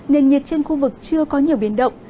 nền nhiệt trên khu vực chưa có nhiều biến động